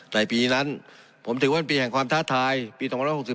ในปีนั้นผมถือวันปีแห่งความท้าทายปี๑๙๖๔